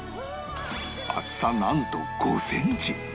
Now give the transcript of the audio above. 厚さなんと５センチ